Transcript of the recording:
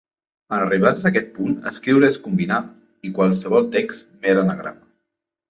En arribats a aquest punt, escriure és combinar i qualsevol text, mer anagrama.